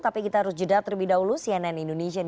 tapi kita harus jeda terlebih dahulu cnn indonesia